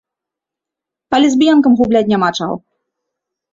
А лесбіянкам губляць няма чаго.